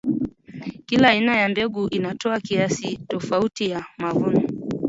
kila aina ya mbegu inatoa kiasi tofauti ya mavuno